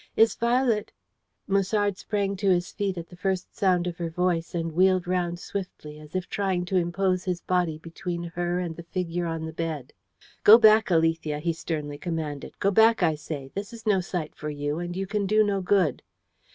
Is Violet " Musard sprang to his feet at the first sound of her voice, and wheeled round swiftly, as if trying to impose his body between her and the figure on the bed. "Go back, Alethea!" he sternly commanded. "Go back, I say! This is no sight for you, and you can do no good."